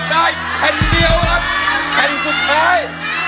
ถ้าเพลงนี้เป็นอะไร